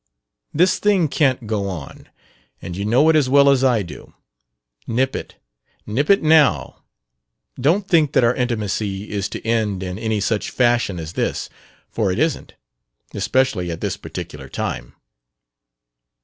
This thing can't go on, and you know it as well as I do. Nip it. Nip it now. Don't think that our intimacy is to end in any such fashion as this, for it isn't especially at this particular time."...